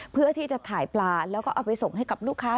เพื่อที่จะถ่ายปลาแล้วก็เอาไปส่งให้กับลูกค้า